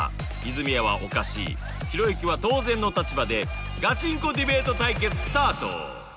泉谷はおかしいひろゆきは当然の立場でガチンコディベート対決スタート